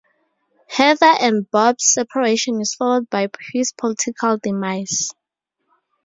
Heather and Bob's separation is followed by his political demise.